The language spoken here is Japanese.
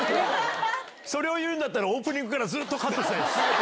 それを言うんだったら、オープニングからずっとカットしたいです。